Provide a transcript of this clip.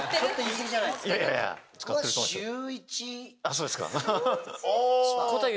そうですか。